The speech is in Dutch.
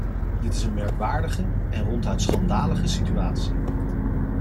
Dit is een merkwaardige en ronduit schandalige situatie.